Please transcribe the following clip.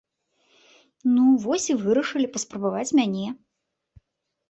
Ну вось і вырашылі паспрабаваць мяне.